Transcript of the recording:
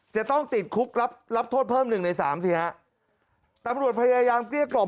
จะต้องติดคุกรับรับโทษเพิ่มหนึ่งในสามสิฮะตำรวจพยายามเกลี้ยกล่อม